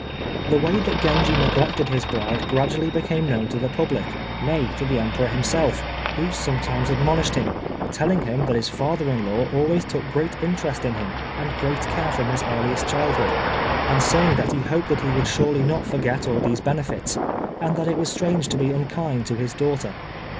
The way that Genji neglected his bride gradually became known to the public nay, to the Emperor himself, who sometimes admonished him, telling him that his father in law always took great interest in him and great care from his earliest childhood, and saying that he hoped that he would surely not forget all these benefits, and that it was strange to be unkind to his daughter.